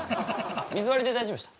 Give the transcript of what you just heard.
あっ水割りで大丈夫でした？